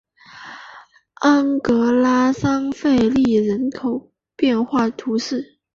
昂格拉尔圣费利人口变化图示